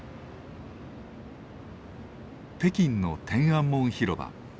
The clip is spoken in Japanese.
北京の天安門広場。